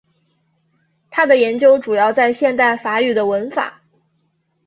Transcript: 他的研究主要在现代法语的文法。